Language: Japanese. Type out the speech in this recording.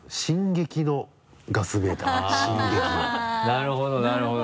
なるほどなるほど。